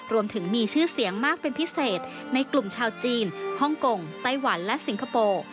รวมถึงมีชื่อเสียงมากเป็นพิเศษในกลุ่มชาวจีนฮ่องกงไต้หวันและสิงคโปร์